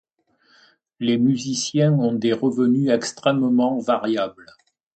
Les musiciens ont des revenus extrêmement variables.